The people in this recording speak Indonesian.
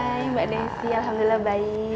hai mbak desy alhamdulillah baik